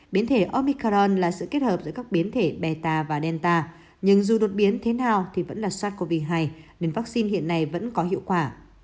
biến thể omicaron là sự kết hợp giữa các biến thể belar và delta nhưng dù đột biến thế nào thì vẫn là sars cov hai nên vaccine hiện nay vẫn có hiệu quả